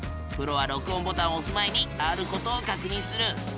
プロは録音ボタンをおす前にあることを確認する。